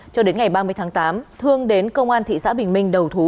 cho đến ngày ba mươi tháng tám thương đến công an thị xã bình minh đầu thú